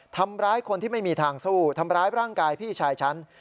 ทำร้ายคนที่ไม่มีทางสู้ทำร้ายร่างกายพี่ชายฉัน